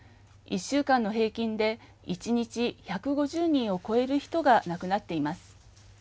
１週間の平均で、１日１５０人を超える人が亡くなっています。